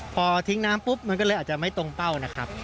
พอทิ้งน้ำปุ๊บมันก็เลยอาจจะไม่ตรงเป้านะครับ